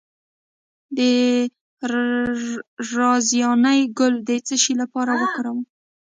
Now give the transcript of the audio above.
د رازیانې ګل د څه لپاره وکاروم؟